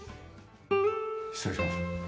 失礼します。